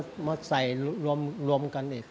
ลูกก็เอาน้ำที่ทำลูกชิ้นมาใส่รวมกันอีก